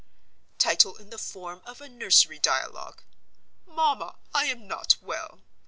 Title in the form of a nursery dialogue: 'Mamma, I am not well.